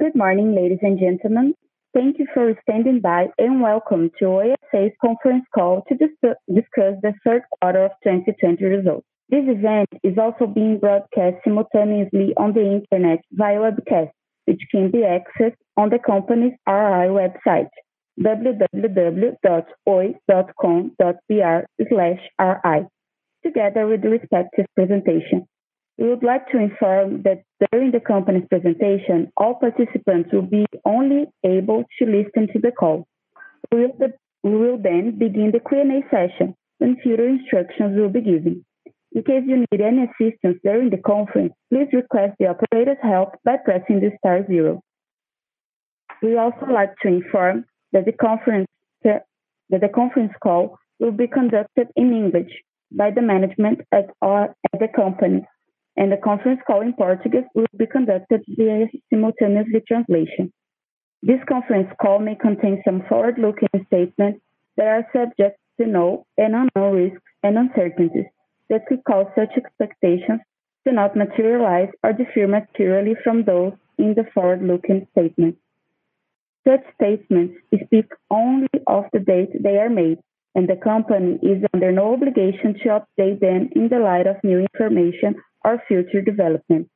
Good morning, ladies and gentlemen. Thank you for standing by, and Welcome to Oi S.A.'s Conference Call to Discuss The Third Quarter of 2020 Results. This event is also being broadcast simultaneously on the internet via webcast, which can be accessed on the company's RI website, www.oi.com.br/ri, together with the respective presentation. We would like to inform that during the company's presentation, all participants will be only able to listen to the call. We will then begin the Q&A session when further instructions will be given. In case you need any assistance during the conference, please request the operator's help by pressing star zero. We also like to inform that the conference call will be conducted in English by the management at the company, and the conference call in Portuguese will be conducted via simultaneous translation. This conference call may contain some forward-looking statements that are subject to known and unknown risks and uncertainties that could cause such expectations to not materialize or differ materially from those in the forward-looking statement. Such statements speak only of the date they are made, and the company is under no obligation to update them in the light of new information or future development.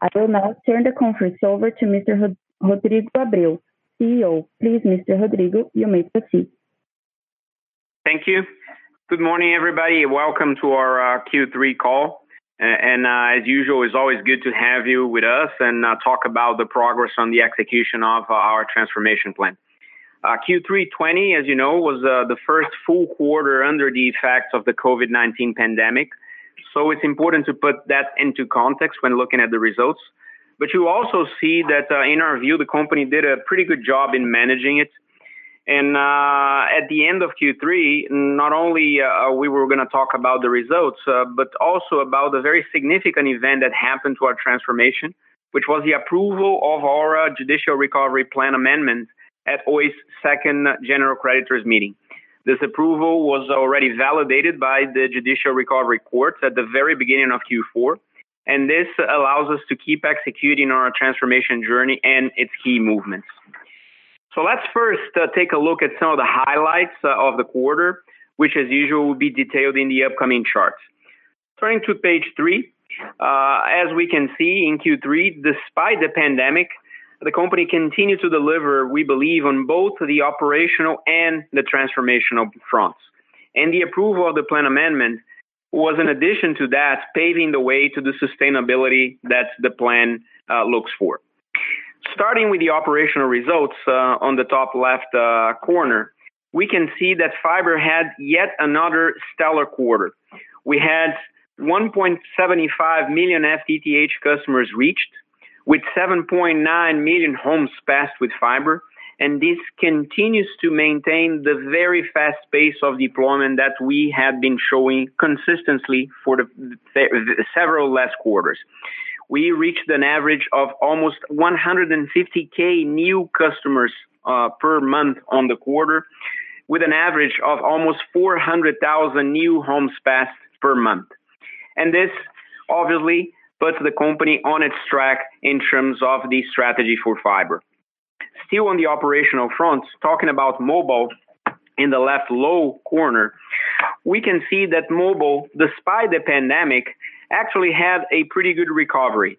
I will now turn the conference over to Mr. Rodrigo Abreu, CEO. Please, Mr. Rodrigo, you may proceed. Thank you. Good morning, everybody. Welcome to our Q3 call. As usual, it's always good to have you with us and talk about the progress on the execution of our transformation plan. Q3 2020, as you know, was the first full quarter under the effects of the COVID-19 pandemic. It's important to put that into context when looking at the results. You also see that in our view, the company did a pretty good job in managing it. At the end of Q3, not only we were going to talk about the results, but also about the very significant event that happened to our transformation, which was the approval of our judicial recovery plan amendment at Oi's second general creditors meeting. This approval was already validated by the judicial recovery courts at the very beginning of Q4, this allows us to keep executing our transformation journey and its key movements. Let's first take a look at some of the highlights of the quarter, which as usual, will be detailed in the upcoming charts. Turning to page three. As we can see in Q3, despite the pandemic, the company continued to deliver, we believe, on both the operational and the transformational fronts. The approval of the plan amendment was, in addition to that, paving the way to the sustainability that the plan looks for. Starting with the operational results, on the top left corner, we can see that fiber had yet another stellar quarter. We had 1.75 million FTTH customers reached, with 7.9 million homes passed with fiber, this continues to maintain the very fast pace of deployment that we have been showing consistently for the several last quarters. We reached an average of almost 150,000 new customers per month on the quarter, with an average of almost 400,000 new homes passed per month. This obviously puts the company on its track in terms of the strategy for fiber. Still on the operational front, talking about mobile in the left low corner, we can see that mobile, despite the pandemic, actually had a pretty good recovery,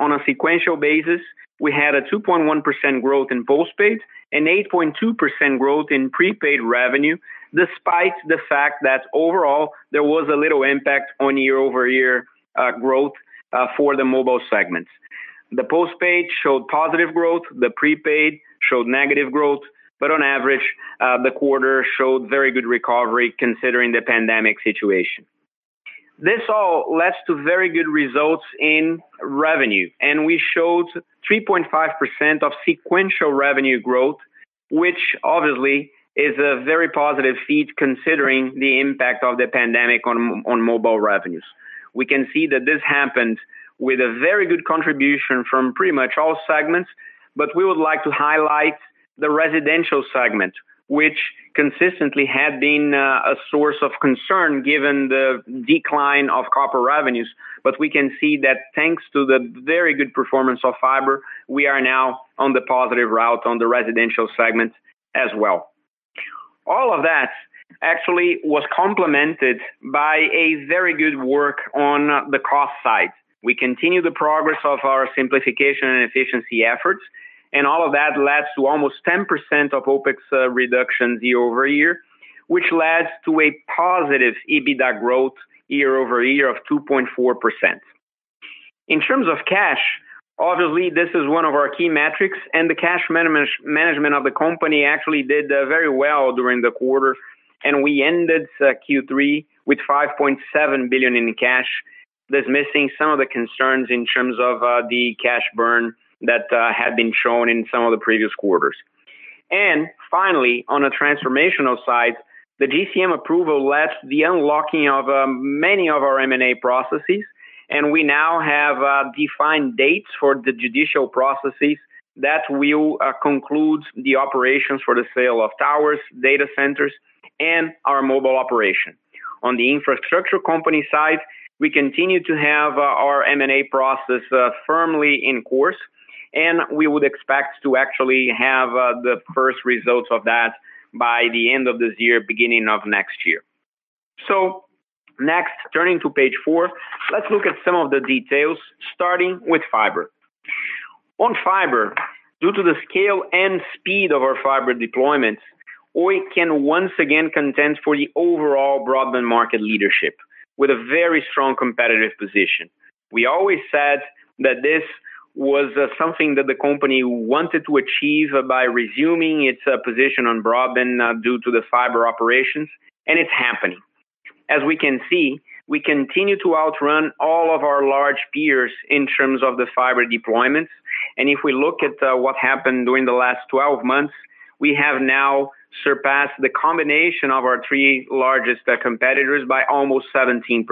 on a sequential basis, we had a 2.1% growth in postpaid and 8.2% growth in prepaid revenue, despite the fact that overall, there was a little impact on year-over-year growth for the mobile segments. The postpaid showed positive growth, the prepaid showed negative growth, but on average, the quarter showed very good recovery considering the pandemic situation. This all led to very good results in revenue, and we showed 3.5% of sequential revenue growth, which obviously is a very positive feat considering the impact of the pandemic on mobile revenues. We can see that this happened with a very good contribution from pretty much all segments, but we would like to highlight the residential segment, which consistently had been a source of concern given the decline of copper revenues. But we can see that thanks to the very good performance of fiber, we are now on the positive route on the residential segment as well. All of that actually was complemented by a very good work on the cost side. We continue the progress of our simplification and efficiency efforts, and all of that led to almost 10% of OpEx reduction year-over-year, which led to a positive EBITDA growth year-over-year of 2.4%. In terms of cash, obviously this is one of our key metrics, and the cash management of the company actually did very well during the quarter. We ended Q3 with 5.7 billion in cash, dismissing some of the concerns in terms of the cash burn that had been shown in some of the previous quarters. Finally, on a transformational side, the GCM approval led the unlocking of many of our M&A processes, and we now have defined dates for the judicial processes that will conclude the operations for the sale of towers, data centers, and our mobile operation. On the infrastructure company side, we continue to have our M&A process firmly in course, and we would expect to actually have the first results of that by the end of this year, beginning of next year. Next, turning to page four, let's look at some of the details starting with fiber. On fiber, due to the scale and speed of our fiber deployments, Oi can once again contend for the overall broadband market leadership with a very strong competitive position. We always said that this was something that the company wanted to achieve by resuming its position on broadband due to the fiber operations, and it's happening. As we can see, we continue to outrun all of our large peers in terms of the fiber deployments. If we look at what happened during the last 12 months, we have now surpassed the combination of our three largest competitors by almost 17%.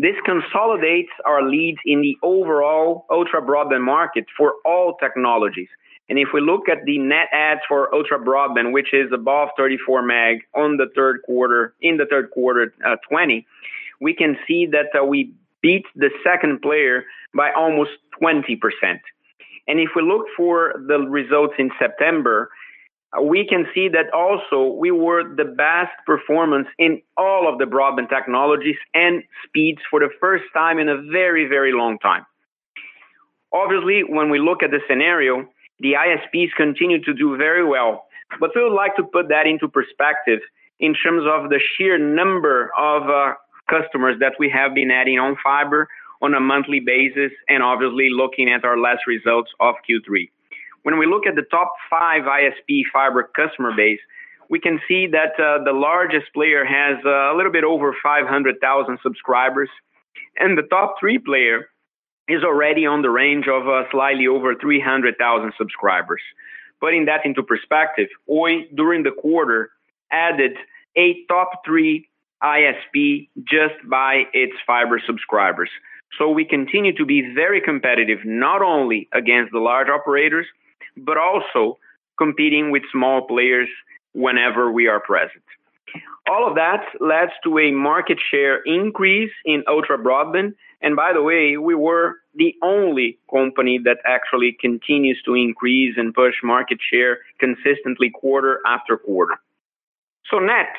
This consolidates our leads in the overall ultra-broadband market for all technologies. If we look at the net adds for ultra-broadband, which is above 34 meg in the third quarter at 2020, we can see that we beat the second player by almost 20%. If we look for the results in September, we can see that also, we were the best performance in all of the broadband technologies and speeds for the first time in a very, very long time. Obviously, when we look at the scenario, the ISPs continue to do very well. We would like to put that into perspective in terms of the sheer number of customers that we have been adding on fiber on a monthly basis, and obviously looking at our last results of Q3. When we look at the top five ISP fiber customer base, we can see that the largest player has a little bit over 500,000 subscribers, and the top three player is already on the range of slightly over 300,000 subscribers. Putting that into perspective, Oi, during the quarter, added a top three ISP just by its fiber subscribers. We continue to be very competitive, not only against the large operators, but also competing with small players whenever we are present. All of that leads to a market share increase in ultra-broadband. By the way, we were the only company that actually continues to increase and push market share consistently quarter after quarter. Next,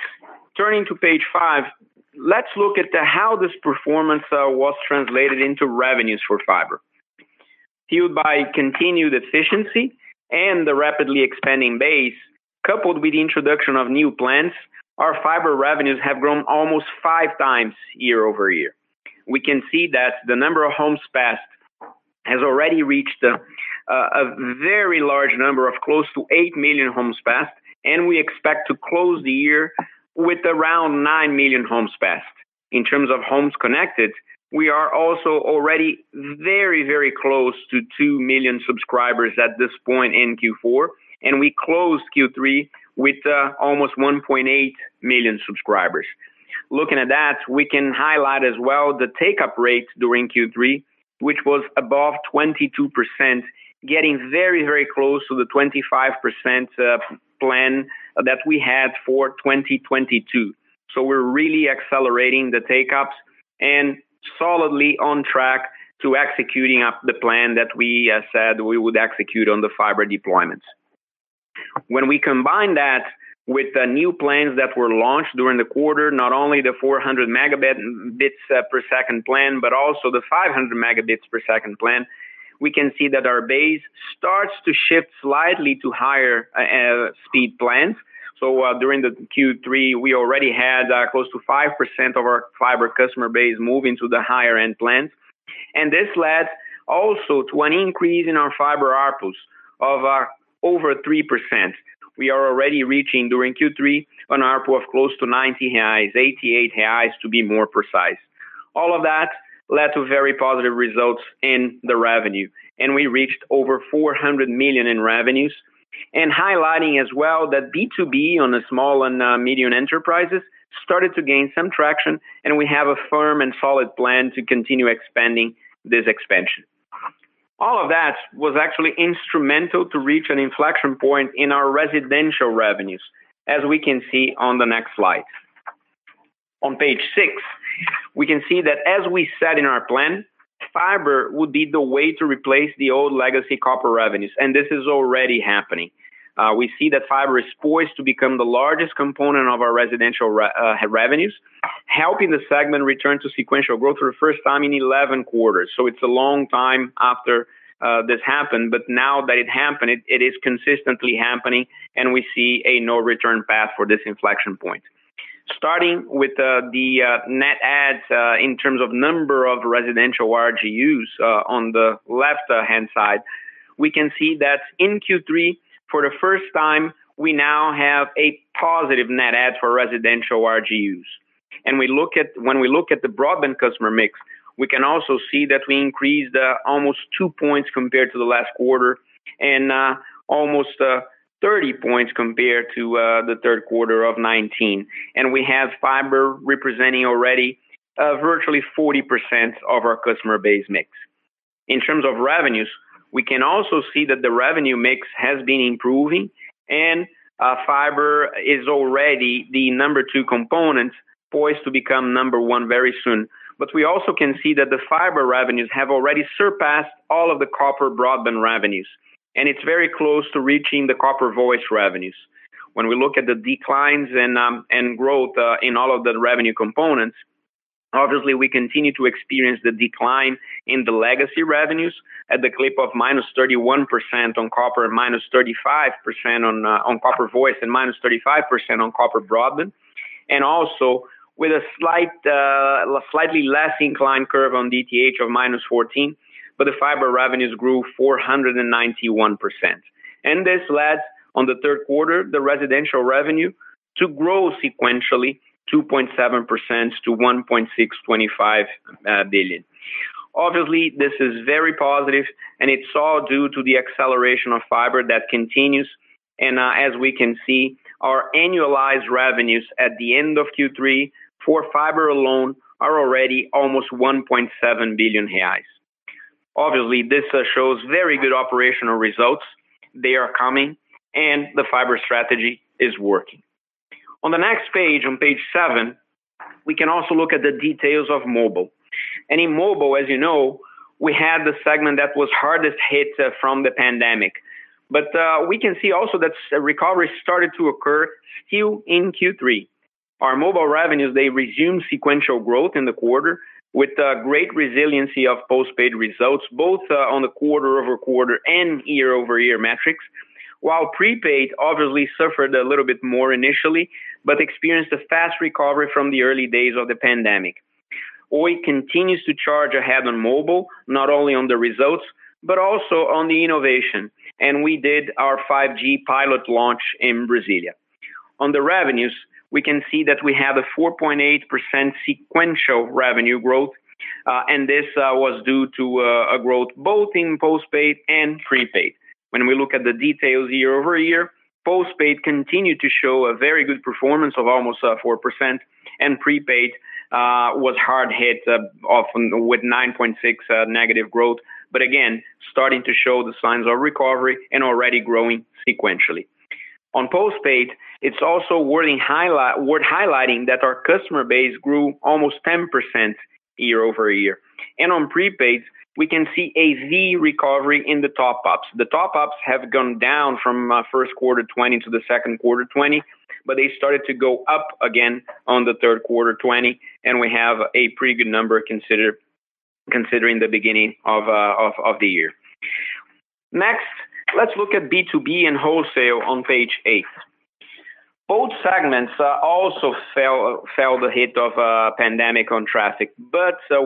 turning to page five, let's look at how this performance was translated into revenues for fiber. Fueled by continued efficiency and the rapidly expanding base, coupled with the introduction of new plans, our fiber revenues have grown almost 5x year-over-year. We can see that the number of homes passed has already reached a very large number of close to 8 million homes passed, and we expect to close the year with around 9 million homes passed. In terms of homes connected, we are also already very close to 2 million subscribers at this point in Q4, and we closed Q3 with almost 1.8 million subscribers. Looking at that, we can highlight as well the take-up rate during Q3, which was above 22%, getting very close to the 25% plan that we had for 2022. We're really accelerating the take-ups and solidly on track to executing the plan that we said we would execute on the fiber deployments. When we combine that with the new plans that were launched during the quarter, not only the 400 Mbps plan, but also the 500 Mbps plan, we can see that our base starts to shift slightly to higher speed plans. During the Q3, we already had close to 5% of our fiber customer base moving to the higher-end plans. This led also to an increase in our fiber ARPU of over 3%. We are already reaching, during Q3, an ARPU of close to 90 reais, 88 reais to be more precise. All of that led to very positive results in the revenue, and we reached over 400 million in revenues. Highlighting as well that B2B on the small and medium enterprises started to gain some traction, and we have a firm and solid plan to continue expanding this expansion. All of that was actually instrumental to reach an inflection point in our residential revenues, as we can see on the next slide. On page six, we can see that as we said in our plan, fiber would be the way to replace the old legacy copper revenues, and this is already happening. We see that fiber is poised to become the largest component of our residential revenues, helping the segment return to sequential growth for the first time in 11 quarters. It's a long time after this happened, but now that it happened, it is consistently happening, and we see a no-return path for this inflection point. Starting with the net adds in terms of number of residential RGUs on the left-hand side, we can see that in Q3, for the first time, we now have a positive net add for residential RGUs. When we look at the broadband customer mix, we can also see that we increased almost two points compared to the last quarter and almost 30 points compared to the third quarter of 2019. We have fiber representing already virtually 40% of our customer base mix. In terms of revenues, we can also see that the revenue mix has been improving and fiber is already the number two component, poised to become number one very soon. We also can see that the fiber revenues have already surpassed all of the copper broadband revenues, and it's very close to reaching the copper voice revenues. When we look at the declines and growth in all of the revenue components, obviously we continue to experience the decline in the legacy revenues at the clip of -31% on copper, -35% on copper voice, and -35% on copper broadband. Also with a slightly less inclined curve on DTH of -14%, but the fiber revenues grew 491%. This led, on the third quarter, the residential revenue to grow sequentially 2.7% to 1.625 billion. Obviously, this is very positive, it's all due to the acceleration of fiber that continues. As we can see, our annualized revenues at the end of Q3 for fiber alone are already almost 1.7 billion reais. Obviously, this shows very good operational results. They are coming, the fiber strategy is working. On the next page, on page seven, we can also look at the details of mobile. In mobile, as you know, we had the segment that was hardest hit from the pandemic. We can see also that recovery started to occur still in Q3. Our mobile revenues, they resumed sequential growth in the quarter with great resiliency of postpaid results, both on a quarter-over-quarter and year-over-year metrics. While prepaid obviously suffered a little bit more initially, but experienced a fast recovery from the early days of the pandemic. Oi continues to charge ahead on mobile, not only on the results, but also on the innovation. We did our 5G pilot launch in Brasilia. On the revenues, we can see that we have a 4.8% sequential revenue growth. This was due to a growth both in postpaid and prepaid. When we look at the details year-over-year, postpaid continued to show a very good performance of almost 4%. Prepaid was hard hit with 9.6% negative growth, starting to show the signs of recovery and already growing sequentially. On postpaid, it's also worth highlighting that our customer base grew almost 10% year-over-year. On prepaid, we can see a V recovery in the top-ups. The top-ups have gone down from first quarter 2020 to the second quarter 2020, but they started to go up again on the third quarter 2020, and we have a pretty good number considering the beginning of the year. Next, let's look at B2B and wholesale on page eight. Both segments also felt the hit of pandemic on traffic.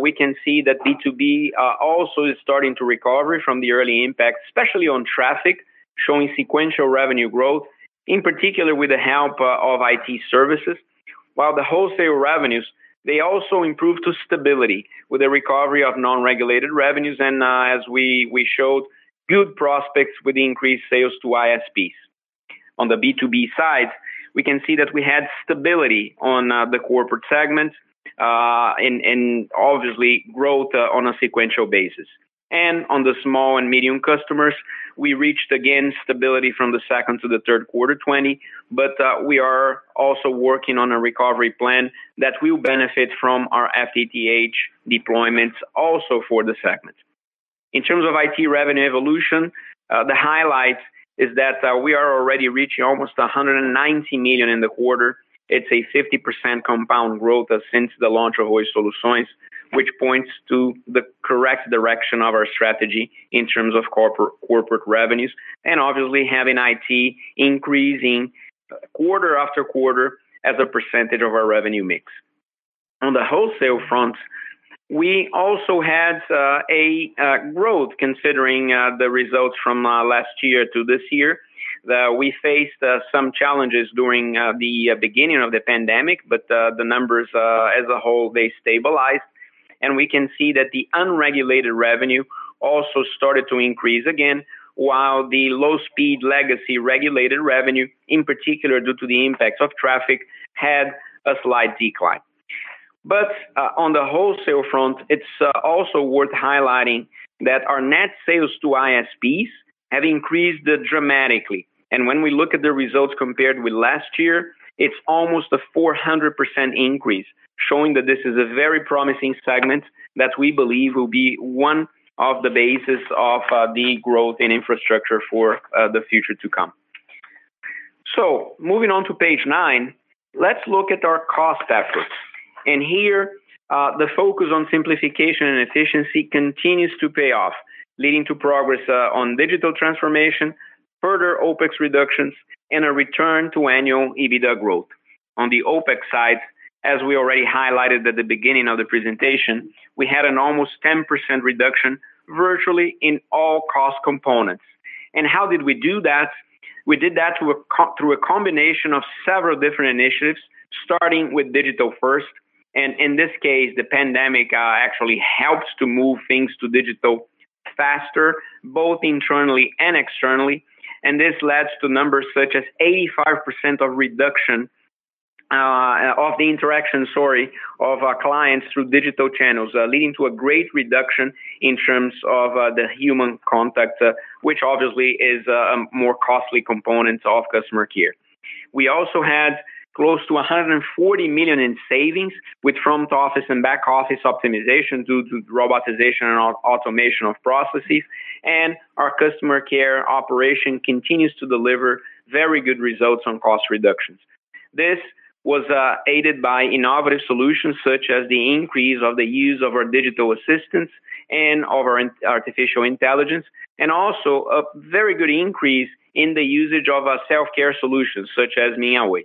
We can see that B2B also is starting to recover from the early impact, especially on traffic, showing sequential revenue growth, in particular with the help of IT services. The wholesale revenues, they also improved to stability with the recovery of non-regulated revenues, and as we showed, good prospects with increased sales to ISPs. On the B2B side, we can see that we had stability on the corporate segment, and obviously growth on a sequential basis. On the small and medium customers, we reached again stability from the second to the third quarter 2020, but we are also working on a recovery plan that will benefit from our FTTH deployments also for the segment. In terms of IT revenue evolution, the highlight is that we are already reaching almost 190 million in the quarter. It's a 50% compound growth since the launch of Oi Soluções, which points to the correct direction of our strategy in terms of corporate revenues, and obviously having IT increasing quarter after quarter as a percentage of our revenue mix. On the wholesale front, we also had a growth considering the results from last year to this year, that we faced some challenges during the beginning of the pandemic, but the numbers, as a whole, they stabilized. We can see that the unregulated revenue also started to increase again, while the low-speed legacy regulated revenue, in particular due to the impacts of traffic, had a slight decline. On the wholesale front, it's also worth highlighting that our net sales to ISPs have increased dramatically. When we look at the results compared with last year, it's almost a 400% increase, showing that this is a very promising segment that we believe will be one of the bases of the growth in infrastructure for the future to come. Moving on to page nine, let's look at our cost efforts. Here, the focus on simplification and efficiency continues to pay off, leading to progress on digital transformation, further OpEx reductions, and a return to annual EBITDA growth. On the OpEx side, as we already highlighted at the beginning of the presentation, we had an almost 10% reduction virtually in all cost components. How did we do that? We did that through a combination of several different initiatives, starting with digital-first. In this case, the pandemic actually helps to move things to digital faster, both internally and externally. This leads to numbers such as 85% of reduction of the interaction, sorry, of our clients through digital channels, leading to a great reduction in terms of the human contact, which obviously is a more costly component of customer care. We also had close to 140 million in savings with front office and back office optimization due to robotization and automation of processes, and our customer care operation continues to deliver very good results on cost reductions. This was aided by innovative solutions such as the increase of the use of our digital assistants and of our artificial intelligence, and also a very good increase in the usage of our self-care solutions, such as Minha Oi.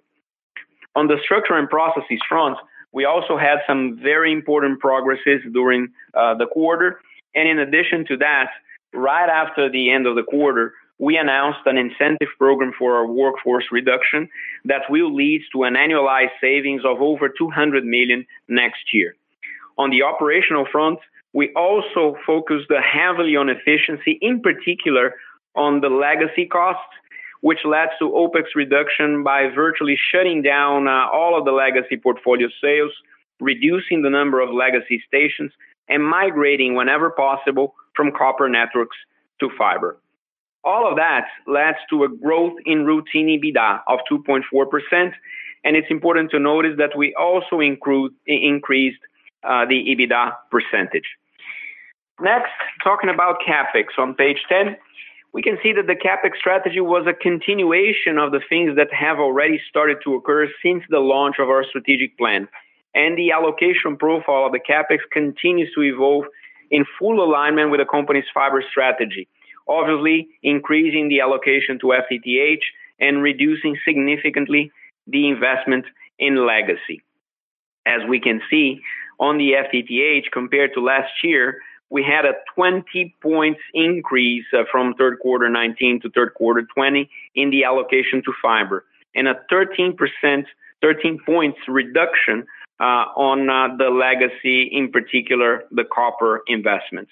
On the structure and processes front, we also had some very important progresses during the quarter. In addition to that, right after the end of the quarter, we announced an incentive program for our workforce reduction that will lead to an annualized savings of over 200 million next year. On the operational front, we also focused heavily on efficiency, in particular on the legacy costs, which led to OpEx reduction by virtually shutting down all of the legacy portfolio sales, reducing the number of legacy stations, and migrating whenever possible from copper networks to fiber. All of that leads to a growth in routine EBITDA of 2.4%, and it's important to notice that we also increased the EBITDA percentage. Next, talking about CapEx on page 10. We can see that the CapEx strategy was a continuation of the things that have already started to occur since the launch of our strategic plan. The allocation profile of the CapEx continues to evolve in full alignment with the company's fiber strategy, obviously increasing the allocation to FTTH and reducing significantly the investment in legacy. As we can see on the FTTH compared to last year, we had a 20 points increase from third quarter 2019 to third quarter 2020 in the allocation to fiber, and a 13 points reduction on the legacy, in particular, the copper investments.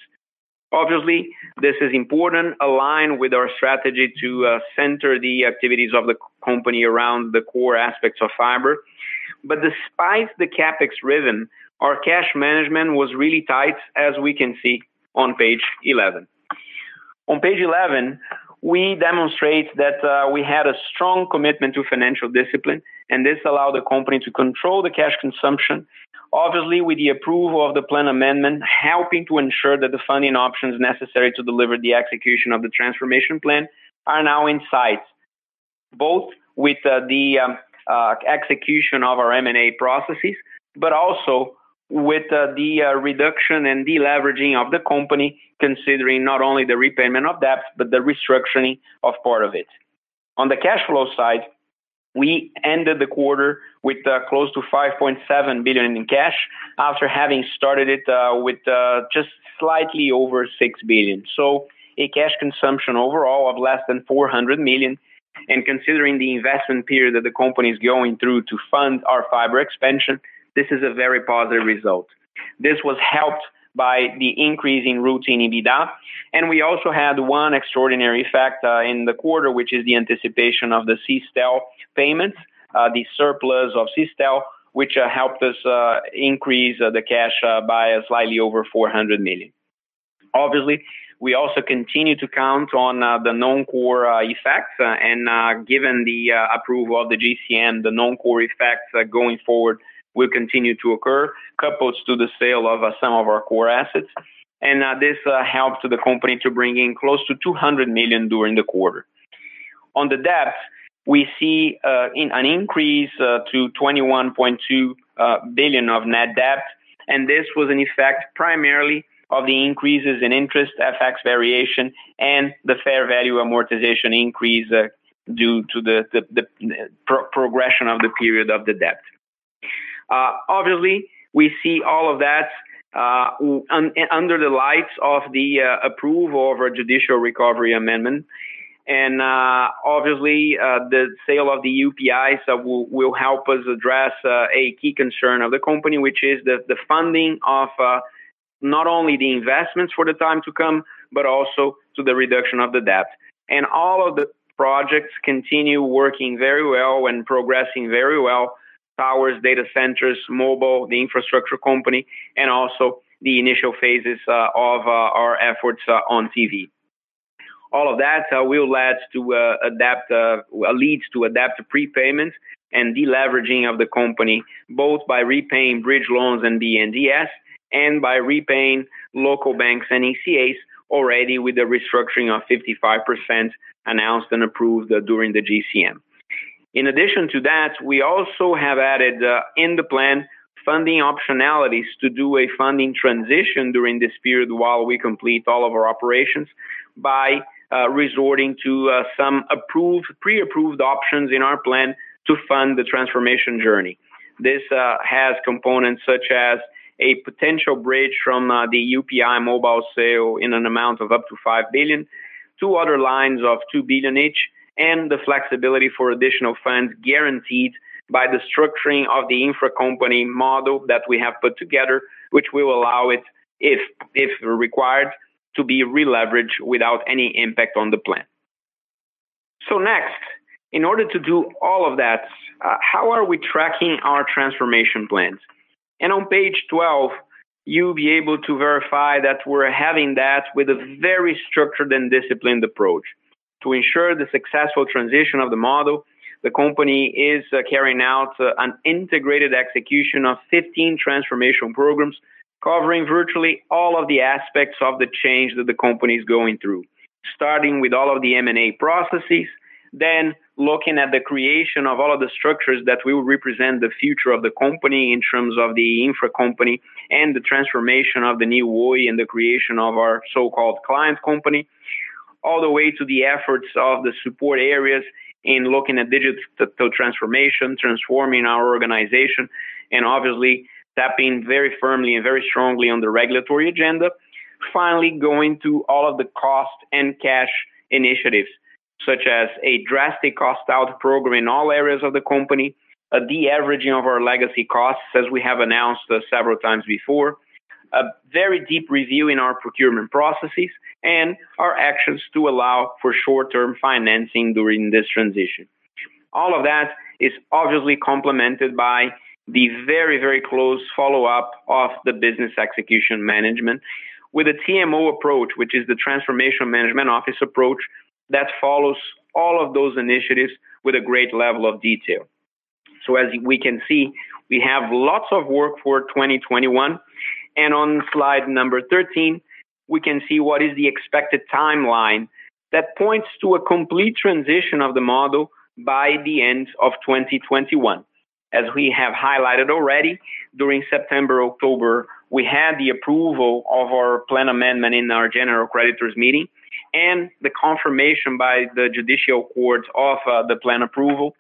Obviously, this is important, aligned with our strategy to center the activities of the company around the core aspects of fiber. Despite the CapEx rhythm, our cash management was really tight, as we can see on page 11. On page 11, we demonstrate that we had a strong commitment to financial discipline, and this allowed the company to control the cash consumption, obviously with the approval of the plan amendment, helping to ensure that the funding options necessary to deliver the execution of the transformation plan are now in sight, both with the execution of our M&A processes, also with the reduction and deleveraging of the company, considering not only the repayment of debt, but the restructuring of part of it. On the cash flow side, we ended the quarter with close to 5.7 billion in cash after having started it with just slightly over 6 billion. A cash consumption overall of less than 400 million. Considering the investment period that the company is going through to fund our fiber expansion, this is a very positive result. This was helped by the increase in routine EBITDA. We also had one extraordinary effect in the quarter, which is the anticipation of the Sistel payment, the surplus of Sistel, which helped us increase the cash by slightly over 400 million. Obviously, we also continue to count on the non-core effects. Given the approval of the GCM, the non-core effects going forward will continue to occur, coupled to the sale of some of our core assets. This helped the company to bring in close to 200 million during the quarter. On the debt, we see an increase to 21.2 billion of net debt. This was an effect primarily of the increases in interest, FX variation, and the fair value amortization increase due to the progression of the period of the debt. Obviously, we see all of that under the lights of the approval of our judicial recovery amendment. Obviously, the sale of the UPI will help us address a key concern of the company, which is the funding of not only the investments for the time to come, but also to the reduction of the debt. All of the projects continue working very well and progressing very well. Towers, data centers, mobile, the infrastructure company, and also the initial phases of our efforts on TV. All of that will lead to a leads to a debt prepayment and deleveraging of the company, both by repaying bridge loans and BNDES and by repaying local banks and ECAs already with the restructuring of 55% announced and approved during the GCM. In addition to that, we also have added in the plan funding optionalities to do a funding transition during this period while we complete all of our operations by resorting to some pre-approved options in our plan to fund the transformation journey. This has components such as a potential bridge from the UPI Mobile sale in an amount of up to 5 billion, two other lines of 2 billion each, and the flexibility for additional funds guaranteed by the structuring of the InfraCo model that we have put together, which will allow it, if required, to be releveraged without any impact on the plan. Next, in order to do all of that, how are we tracking our transformation plans? On page 12, you'll be able to verify that we're having that with a very structured and disciplined approach. To ensure the successful transition of the model, the company is carrying out an integrated execution of 15 transformation programs, covering virtually all of the aspects of the change that the company's going through. Starting with all of the M&A processes, then looking at the creation of all of the structures that will represent the future of the company in terms of the InfraCo and the transformation of the new Oi and the creation of our so-called client company, all the way to the efforts of the support areas in looking at digital transformation, transforming our organization, and obviously tapping very firmly and very strongly on the regulatory agenda. Finally, going to all of the cost and cash initiatives, such as a drastic cost-out program in all areas of the company, a de-averaging of our legacy costs, as we have announced several times before, a very deep review in our procurement processes, and our actions to allow for short-term financing during this transition. All of that is obviously complemented by the very close follow-up of the business execution management with a TMO approach, which is the Transformation Management Office approach that follows all of those initiatives with a great level of detail. As we can see, we have lots of work for 2021. On slide number 13, we can see what is the expected timeline that points to a complete transition of the model by the end of 2021. As we have highlighted already, during September, October, we had the approval of our plan amendment in our general creditors meeting and the confirmation by the judicial courts of the plan approval.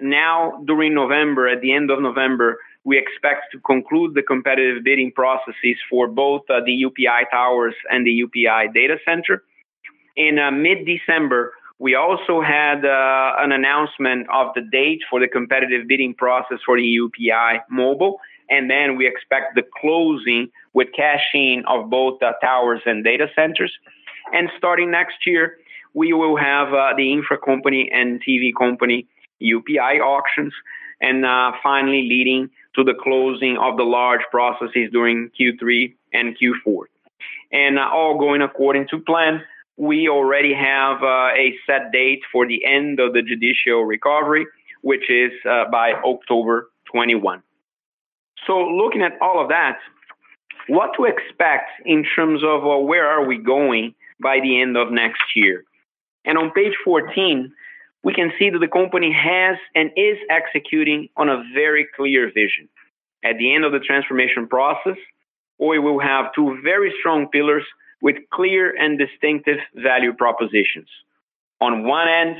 During November, at the end of November, we expect to conclude the competitive bidding processes for both the UPI Towers and the UPI Data Center. In mid-December, we also had an announcement of the date for the competitive bidding process for the UPI Mobile, and then we expect the closing with cashing of both the Towers and Data Centers. Starting next year, we will have the infra company and TV company UPI auctions. Finally, leading to the closing of the large processes during Q3 and Q4. All going according to plan. We already have a set date for the end of the judicial recovery, which is by October 21. Looking at all of that, what to expect in terms of where are we going by the end of next year? On page 14, we can see that the company has and is executing on a very clear vision. At the end of the transformation process, Oi will have two very strong pillars with clear and distinctive value propositions. On one end,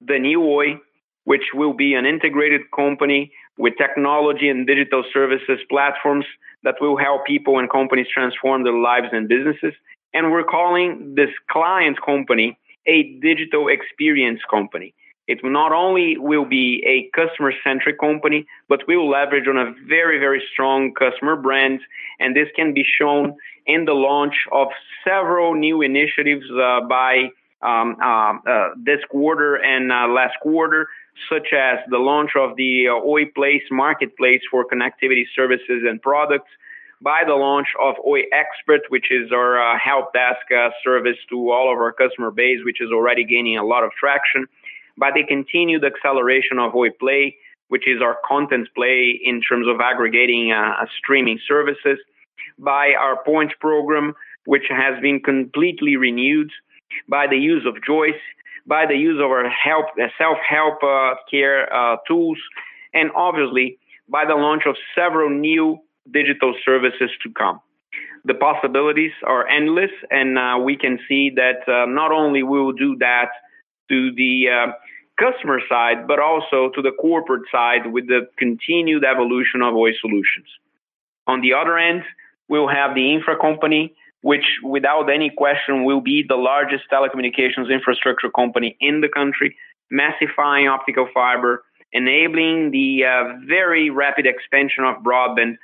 the new Oi, which will be an integrated company with technology and digital services platforms that will help people and companies transform their lives and businesses. We're calling this client company a digital experience company. It not only will be a customer-centric company, but we will leverage on a very strong customer brand, and this can be shown in the launch of several new initiatives by this quarter and last quarter, such as the launch of the Oi Place marketplace for connectivity services and products. By the launch of Oi Expert, which is our help desk service to all of our customer base, which is already gaining a lot of traction. By the continued acceleration of Oi Play, which is our content play in terms of aggregating streaming services. By our points program, which has been completely renewed. By the use of Joice. By the use of our self-help care tools. Obviously, by the launch of several new digital services to come. The possibilities are endless, and we can see that not only we will do that to the customer side, but also to the corporate side with the continued evolution of Oi Soluções. On the other end, we'll have the infra company, which, without any question, will be the largest telecommunications infrastructure company in the country, massifying optical fiber, enabling the very rapid expansion of broadband,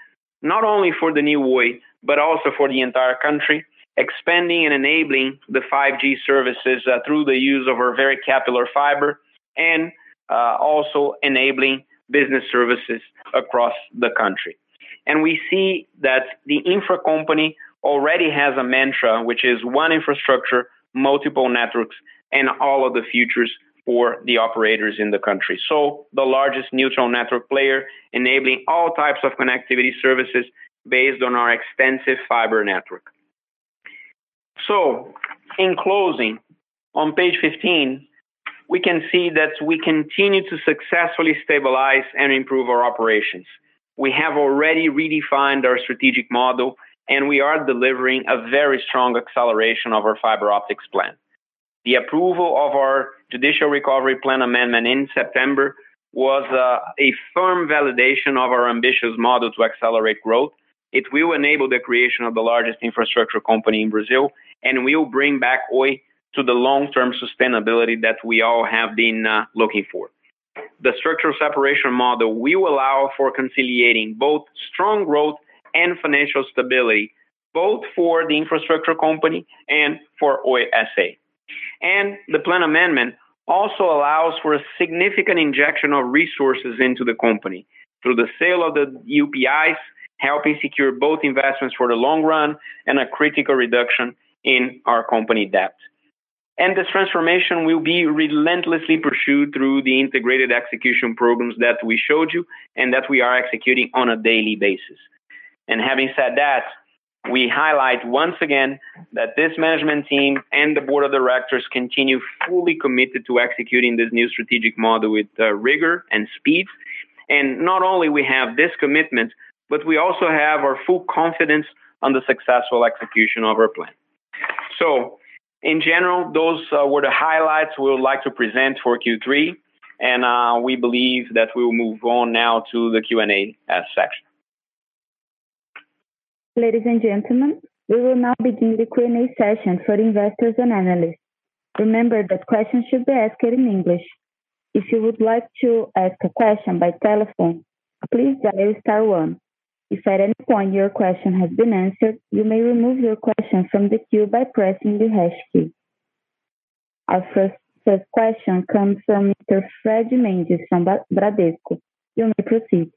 not only for the new Oi, but also for the entire country. Expanding and enabling the 5G services through the use of our very capillary fiber, and also enabling business services across the country. We see that the infra company already has a mantra, which is one infrastructure, multiple networks, and all of the futures for the operators in the country. The largest neutral network player enabling all types of connectivity services based on our extensive fiber network. In closing, on page 15, we can see that we continue to successfully stabilize and improve our operations. We have already redefined our strategic model, and we are delivering a very strong acceleration of our fiber optics plan. The approval of our judicial recovery plan amendment in September was a firm validation of our ambitious model to accelerate growth. It will enable the creation of the largest infrastructure company in Brazil and will bring back Oi to the long-term sustainability that we all have been looking for. The structural separation model will allow for conciliating both strong growth and financial stability, both for the infrastructure company and for Oi S.A. The plan amendment also allows for a significant injection of resources into the company through the sale of the UPIs, helping secure both investments for the long run and a critical reduction in our company debt. This transformation will be relentlessly pursued through the integrated execution programs that we showed you, and that we are executing on a daily basis. Having said that, we highlight once again that this management team and the board of directors continue fully committed to executing this new strategic model with rigor and speed. Not only we have this commitment, but we also have our full confidence on the successful execution of our plan. In general, those were the highlights we would like to present for Q3, and we believe that we will move on now to the Q&A section. Ladies and gentlemen, we will now begin the Q&A session for investors and analysts. Remember that questions should be asked in English. Our first question comes from Mr. Fred Mendes from Bradesco. You may proceed.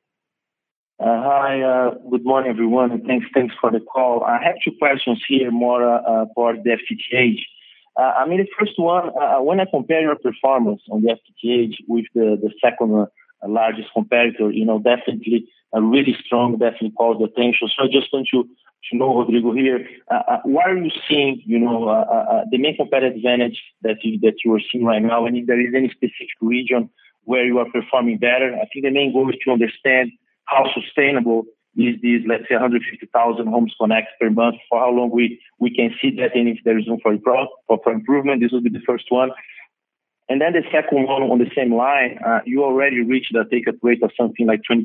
Hi. Good morning, everyone, and thanks for the call. I have two questions here more for the FTTH. The first one, when I compare your performance on the FTTH with the second-largest competitor, definitely calls attention. I just want you to know, Rodrigo, here, where are you seeing the main competitive advantage that you are seeing right now? If there is any specific region where you are performing better? I think the main goal is to understand how sustainable is this, let's say 150,000 homes connects per month, for how long we can see that, and if there is room for improvement. This will be the first one. The second one on the same line, you already reached a take-up rate of something like 22%,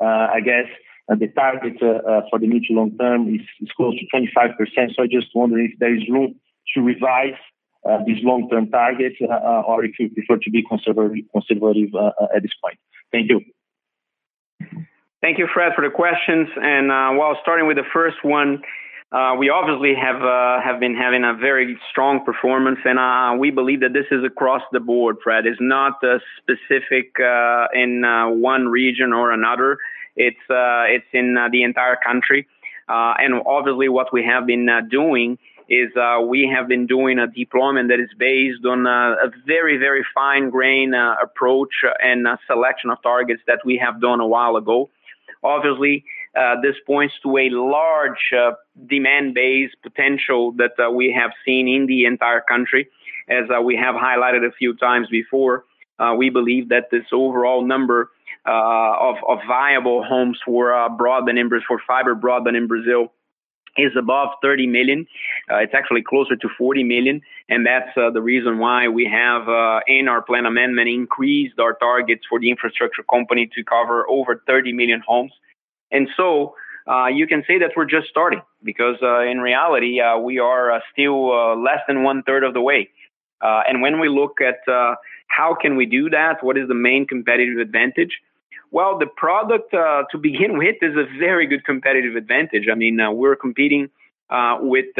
I guess. The target for the mid to long term is close to 25%. I just wonder if there is room to revise these long-term targets, or if you prefer to be conservative at this point. Thank you. Thank you, Fred, for the questions. Well, starting with the first one, we obviously have been having a very strong performance. We believe that this is across the board, Fred. It's not specific in one region or another. It's in the entire country. Obviously, what we have been doing is we have been doing a deployment that is based on a very fine grain approach and a selection of targets that we have done a while ago. Obviously, this points to a large demand base potential that we have seen in the entire country. As we have highlighted a few times before, we believe that this overall number of viable homes for broadband, for fiber broadband in Brazil is above 30 million. It's actually closer to 40 million. That's the reason why we have, in our plan amendment, increased our targets for the infrastructure company to cover over 30 million homes. You can say that we're just starting, because in reality, we are still less than 1/3 of the way. When we look at how can we do that, what is the main competitive advantage? Well, the product to begin with is a very good competitive advantage. We're competing with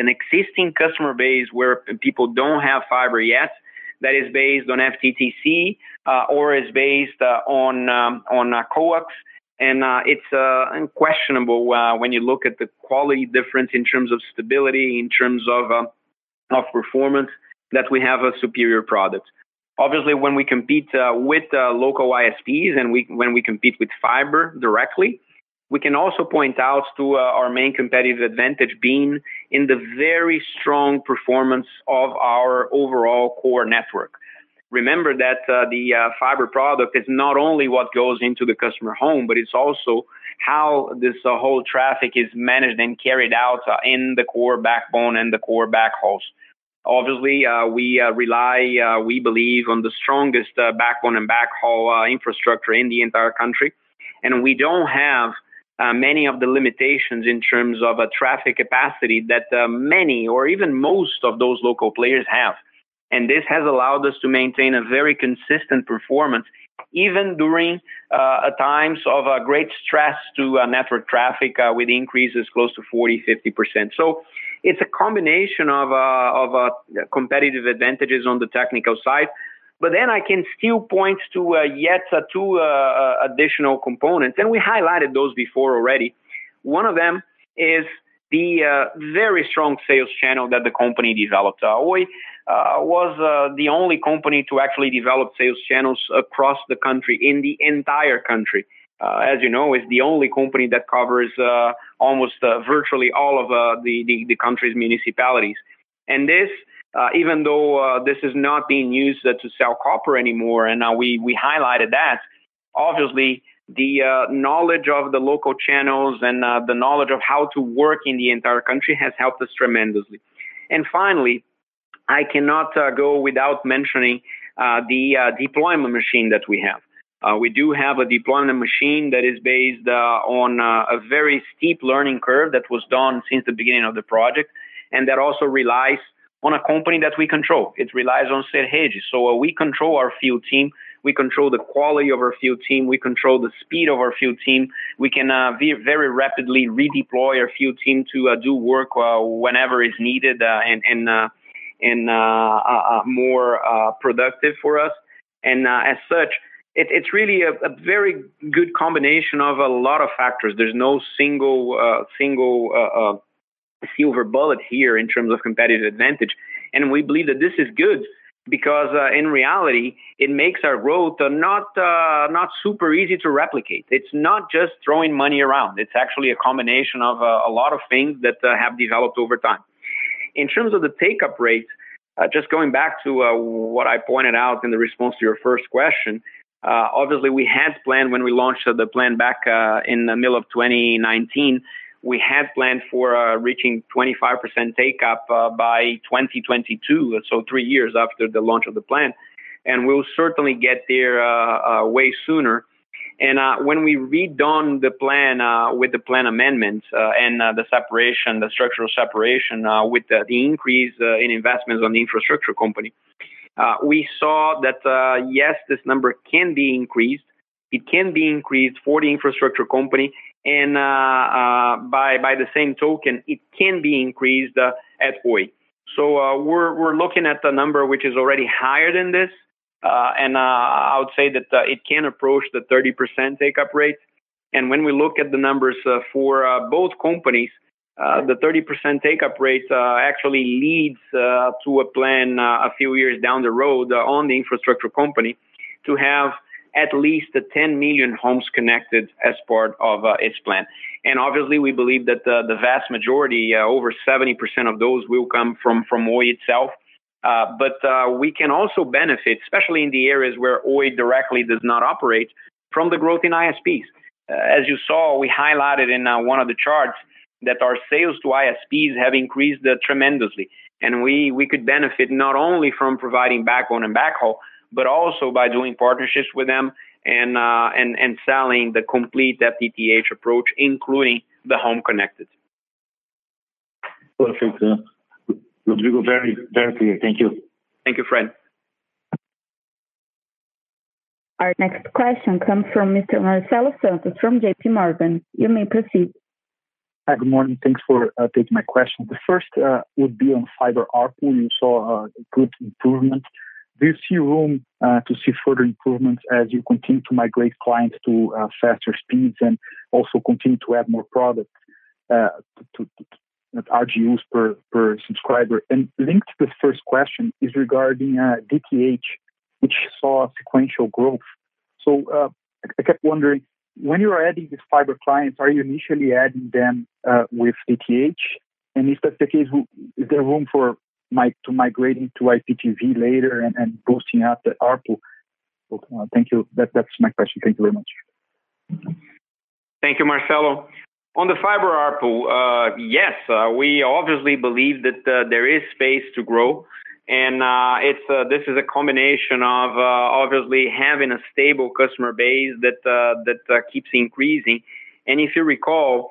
an existing customer base where people don't have fiber yet, that is based on FTTC or is based on coax. It's unquestionable when you look at the quality difference in terms of stability, in terms of performance, that we have a superior product. When we compete with local ISPs and when we compete with fiber directly, we can also point out to our main competitive advantage being in the very strong performance of our overall core network. Remember that the fiber product is not only what goes into the customer home, but it's also how this whole traffic is managed and carried out in the core backbone and the core backhauls. We rely, we believe on the strongest backbone and backhaul infrastructure in the entire country. We don't have many of the limitations in terms of a traffic capacity that many or even most of those local players have. This has allowed us to maintain a very consistent performance, even during times of great stress to network traffic with increases close to 40%, 50%. It's a combination of competitive advantages on the technical side. I can still point to yet two additional components. We highlighted those before already. One of them is the very strong sales channel that the company developed. Oi was the only company to actually develop sales channels across the country, in the entire country. As you know, it's the only company that covers almost virtually all of the country's municipalities. This, even though this is not being used to sell copper anymore, and we highlighted that, obviously, the knowledge of the local channels and the knowledge of how to work in the entire country has helped us tremendously. Finally, I cannot go without mentioning the deployment machine that we have. We do have a deployment machine that is based on a very steep learning curve that was done since the beginning of the project, and that also relies on a company that we control. It relies on Serede. We control our field team, we control the quality of our field team, we control the speed of our field team. We can very rapidly redeploy our field team to do work whenever is needed, and more productive for us. As such, it's really a very good combination of a lot of factors. There's no single silver bullet here in terms of competitive advantage. We believe that this is good because, in reality, it makes our road not super easy to replicate. It's not just throwing money around. It's actually a combination of a lot of things that have developed over time. In terms of the take-up rate, just going back to what I pointed out in the response to your first question, obviously we had planned when we launched the plan back in the middle of 2019. We had planned for reaching 25% take-up by 2022, so three years after the launch of the plan. We'll certainly get there way sooner. When we redone the plan with the plan amendments, and the structural separation with the increase in investments on the infrastructure company, we saw that, yes, this number can be increased. It can be increased for the infrastructure company, and by the same token, it can be increased at Oi. We're looking at the number, which is already higher than this. I would say that it can approach the 30% take-up rate. When we look at the numbers for both companies, the 30% take-up rate actually leads to a plan a few years down the road on the infrastructure company to have at least the 10 million homes connected as part of its plan. Obviously, we believe that the vast majority, over 70% of those, will come from Oi itself. We can also benefit, especially in the areas where Oi directly does not operate from the growth in ISPs. As you saw, we highlighted in one of the charts that our sales to ISPs have increased tremendously, and we could benefit not only from providing backbone and backhaul, but also by doing partnerships with them and selling the complete FTTH approach, including the home connected. Perfect. Rodrigo, very clear. Thank you. Thank you, Fred. Our next question comes from Mr. Marcelo Santos from JPMorgan. You may proceed. Hi. Good morning. Thanks for taking my question. The first would be on fiber ARPU. You saw a good improvement. Do you see room to see further improvements as you continue to migrate clients to faster speeds and also continue to add more products to RGUs per subscriber? Linked to the first question is regarding DTH, which saw sequential growth. I kept wondering, when you are adding these fiber clients, are you initially adding them with DTH? If that's the case, is there room to migrate into IPTV later and boosting up the ARPU? Thank you. That's my question. Thank you very much. Thank you, Marcelo. On the fiber ARPU, yes, we obviously believe that there is space to grow, and this is a combination of obviously having a stable customer base that keeps increasing. If you recall,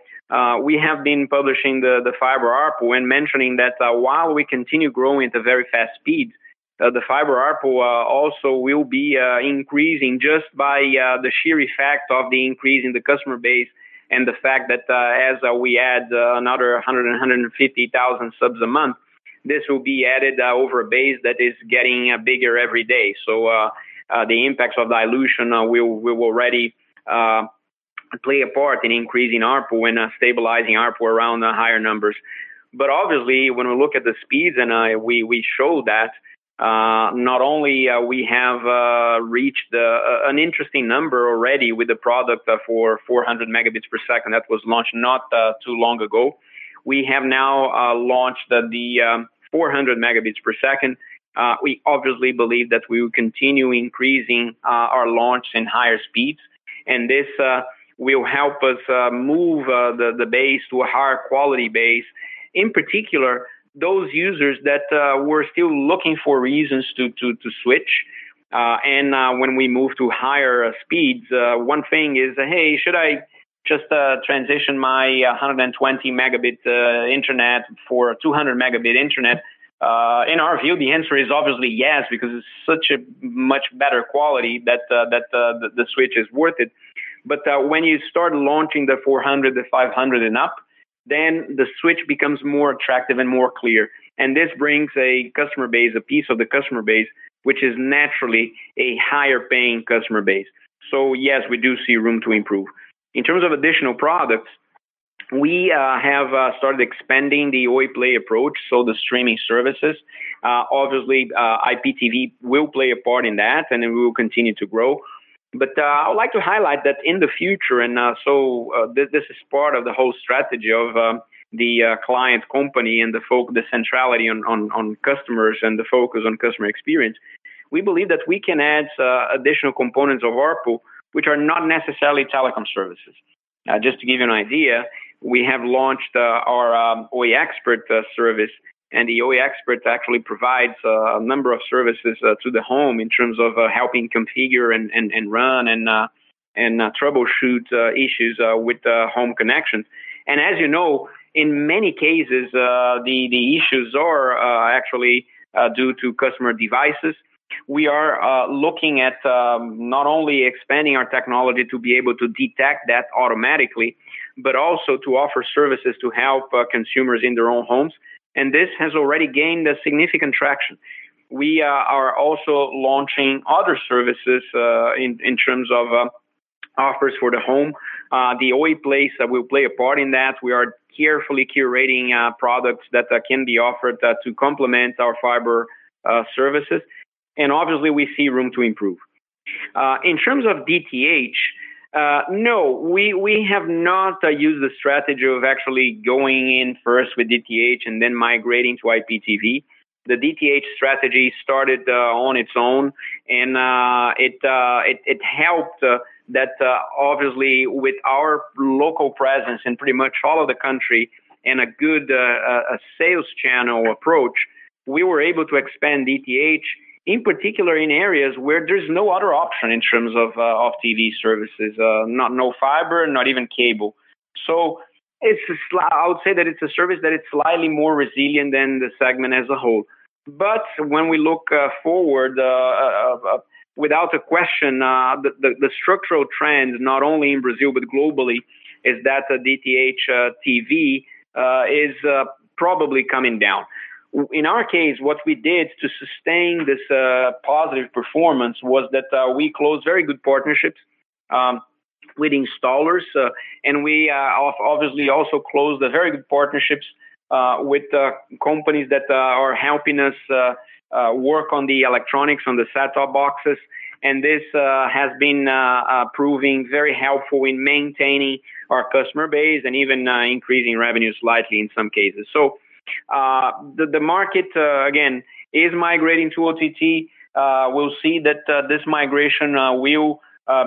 we have been publishing the fiber ARPU and mentioning that while we continue growing at a very fast speed, the fiber ARPU also will be increasing just by the sheer effect of the increase in the customer base. The fact that as we add another 100,000, 150,000 subs a month, this will be added over a base that is getting bigger every day. The impacts of dilution will already play a part in increasing ARPU and stabilizing ARPU around the higher numbers. Obviously, when we look at the speeds, and we show that not only we have reached an interesting number already with the product for 400 Mbps that was launched not too long ago. We have now launched the 400 Mbps. We obviously believe that we will continue increasing our launch in higher speeds, and this will help us move the base to a higher quality base. In particular, those users that were still looking for reasons to switch. When we move to higher speeds, one thing is, "Hey, should I just transition my 120 Mb internet for 200 Mb?" In our view, the answer is obviously yes, because it's such a much better quality that the switch is worth it. When you start launching the 400 Mbps, the 500 Mbps, and up, then the switch becomes more attractive and more clear. This brings a piece of the customer base, which is naturally a higher-paying customer base. Yes, we do see room to improve. In terms of additional products, we have started expanding the Oi Play approach, so the streaming services. Obviously, IPTV will play a part in that, and it will continue to grow. I would like to highlight that in the future, this is part of the whole strategy of the client company and the centrality on customers and the focus on customer experience. We believe that we can add additional components of ARPU, which are not necessarily telecom services. Just to give you an idea, we have launched our Oi Expert service, and the Oi Expert actually provides a number of services to the home in terms of helping configure and run and troubleshoot issues with home connection. As you know, in many cases, the issues are actually due to customer devices. We are looking at not only expanding our technology to be able to detect that automatically, but also to offer services to help consumers in their own homes. This has already gained a significant traction. We are also launching other services in terms of offers for the home. The Oi Place will play a part in that. We are carefully curating products that can be offered to complement our fiber services. Obviously we see room to improve. In terms of DTH, no, we have not used the strategy of actually going in first with DTH and then migrating to IPTV. The DTH strategy started on its own, and it helped that obviously with our local presence in pretty much all of the country and a good sales channel approach, we were able to expand DTH, in particular in areas where there's no other option in terms of TV services. No fiber, not even cable. I would say that it's a service that is slightly more resilient than the segment as a whole. When we look forward, without a question, the structural trend, not only in Brazil but globally, is that DTH TV is probably coming down. In our case, what we did to sustain this positive performance was that we closed very good partnerships with installers. We obviously also closed very good partnerships with companies that are helping us work on the electronics on the set-top boxes. This has been proving very helpful in maintaining our customer base and even increasing revenue slightly in some cases. The market, again, is migrating to OTT. We'll see that this migration will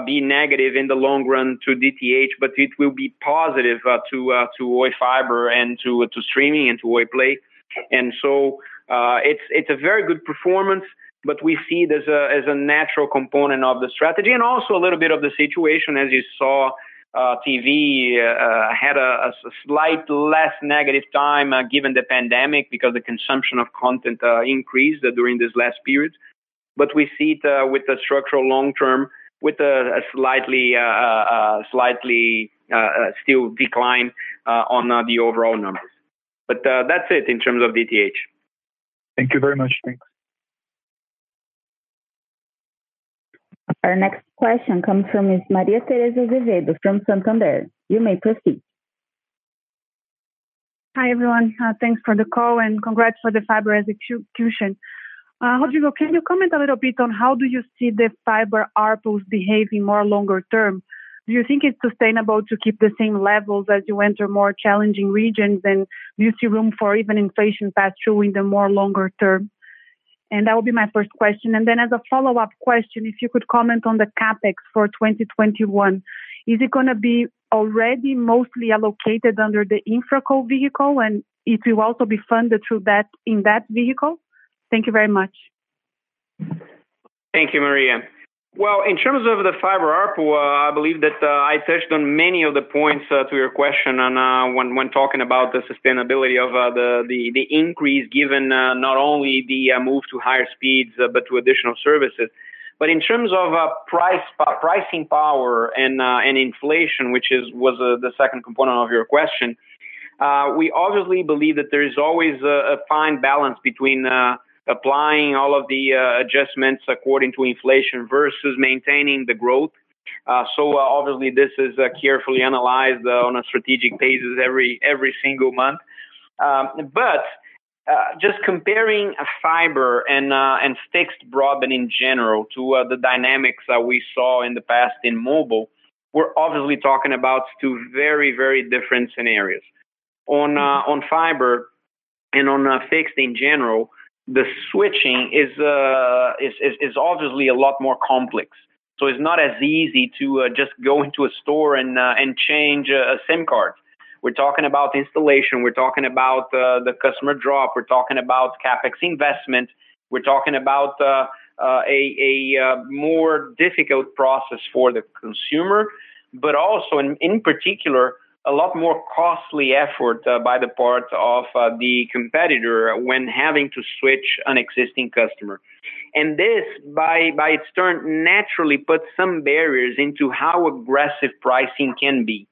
be negative in the long run to DTH, but it will be positive to Oi fiber and to streaming and to Oi Play. It's a very good performance, but we see it as a natural component of the strategy and also a little bit of the situation as you saw TV had a slight less negative time given the pandemic because the consumption of content increased during this last period. We see it with the structural long term with a slightly still decline on the overall numbers. That's it in terms of DTH. Thank you very much. Thanks. Our next question comes from Ms. Maria Tereza Azevedo from Santander. You may proceed. Hi, everyone. Thanks for the call and congrats for the fiber execution. Rodrigo, can you comment a little bit on how do you see the fiber ARPU behaving more longer term? Do you think it's sustainable to keep the same levels as you enter more challenging regions, do you see room for even inflation pass through in the more longer term? That will be my first question. As a follow-up question, if you could comment on the CapEx for 2021. Is it going to be already mostly allocated under the InfraCo vehicle, it will also be funded through that in that vehicle? Thank you very much. Thank you, Maria. Well, in terms of the fiber ARPU, I believe that I touched on many of the points to your question when talking about the sustainability of the increase given not only the move to higher speeds, but to additional services. In terms of pricing power and inflation, which was the second component of your question, we obviously believe that there is always a fine balance between applying all of the adjustments according to inflation versus maintaining the growth. Obviously this is carefully analyzed on a strategic basis every single month. Just comparing fiber and fixed broadband in general to the dynamics that we saw in the past in mobile, we're obviously talking about two very different scenarios. On fiber and on fixed in general, the switching is obviously a lot more complex. It's not as easy to just go into a store and change a SIM card. We're talking about installation. We're talking about the customer drop. We're talking about CapEx investment. We're talking about a more difficult process for the consumer, but also in particular, a lot more costly effort by the part of the competitor when having to switch an existing customer. This, by its turn, naturally puts some barriers into how aggressive pricing can be.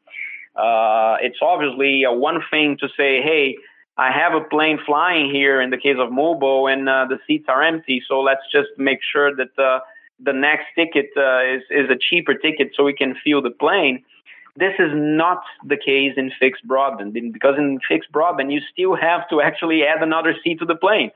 It's obviously one thing to say, "Hey, I have a plane flying here in the case of mobile, and the seats are empty, so let's just make sure that the next ticket is a cheaper ticket so we can fill the plane." This is not the case in fixed broadband, because in fixed broadband, you still have to actually add another seat to the plane.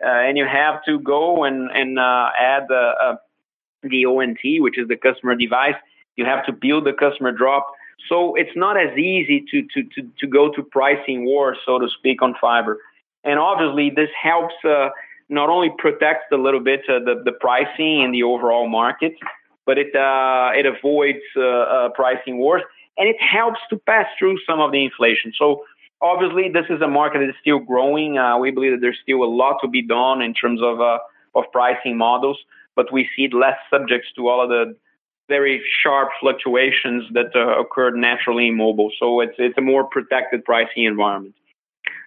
You have to go and add the ONT, which is the customer device. You have to build the customer drop. It's not as easy to go to pricing war, so to speak, on fiber. Obviously, this helps not only protect a little bit the pricing in the overall market, but it avoids pricing wars, and it helps to pass through some of the inflation. Obviously, this is a market that is still growing. We believe that there's still a lot to be done in terms of pricing models, but we see it less subject to all of the very sharp fluctuations that occur naturally in mobile. It's a more protected pricing environment.